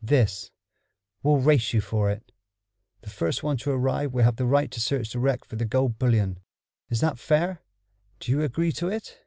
"This: We'll race you for it. The first one to arrive will have the right to search the wreck for the gold bullion. Is that fair? Do you agree to it?"